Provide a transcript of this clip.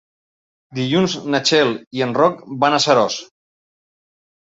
Dilluns na Txell i en Roc van a Seròs.